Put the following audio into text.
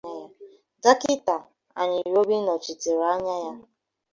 Dọkịta Anịerobi nọchitere anya ya